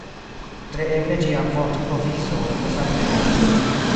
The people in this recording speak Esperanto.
Tre eble ĝia vortprovizo estas apriora.